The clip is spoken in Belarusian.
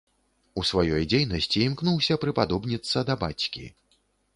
У сваёй дзейнасці імкнуўся прыпадобніцца да бацькі.